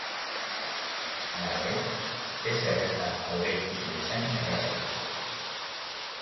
Hala ere, ezer ez da aurreikusi bezain erraza izango.